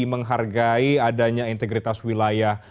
menghargai adanya integritas wilayah